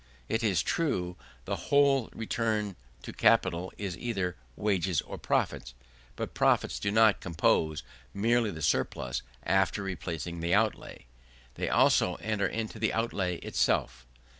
It is true the whole return to capital is either wages or profits; but profits do not compose merely the surplus after replacing the outlay; they also enter into the outlay itself.